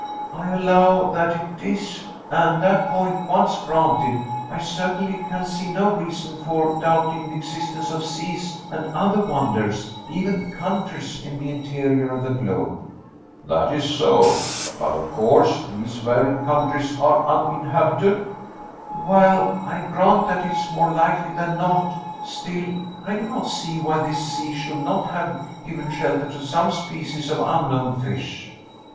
"I allow that it is and that point once granted, I certainly can see no reason for doubting the existence of seas and other wonders, even countries, in the interior of the globe." "That is so but of course these varied countries are uninhabited?" "Well, I grant that it is more likely than not: still, I do not see why this sea should not have given shelter to some species of unknown fish."